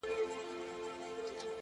• دا ستاد كلـي كـاڼـى زمـا دوا ســـوه ـ